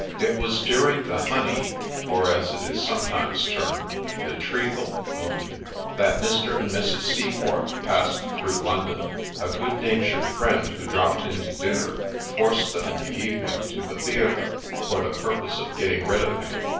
It was during the ' Honey (or, as it is sometimes termed, the ' Treacle,') Moon,' that Mr. and Mrs. Seaforth passed through London. A ' good natured friend,' who dropped in to dinner, forced them in the evening to the theatre for the purpose of getting rid of him.